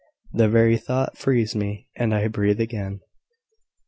The very thought frees me, and I breathe again!"